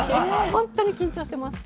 本当に緊張してます。